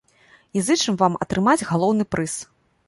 І зычым вам атрымаць галоўны прыз!